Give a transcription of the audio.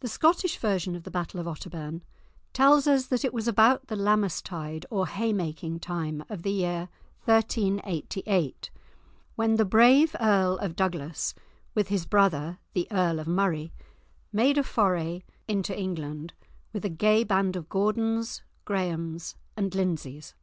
The Scottish version of the battle of Otterbourne tells us that it was about the Lammas tide or haymaking time of the year 1388 when the brave Earl of Douglas, with his brother, the Earl of Murray, made a foray into England, with a gay band of Gordons, Graemes, and Lindsays.